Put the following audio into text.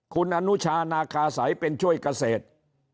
คุณอนุชานาคาสัยเป็นช่วยเกษตร